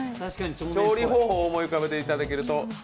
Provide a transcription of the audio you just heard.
調理方法を思い浮かべていただけると。